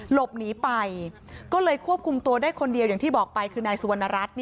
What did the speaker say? หลบหนีไปก็เลยควบคุมตัวได้คนเดียวอย่างที่บอกไปคือนายสุวรรณรัฐ